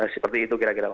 seperti itu kira kira